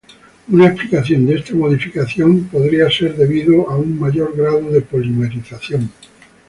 Una explicación de esta modificación podría ser debido a un mayor grado de polimerización.